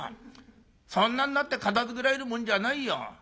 そんなんなって片づけられるもんじゃないよ。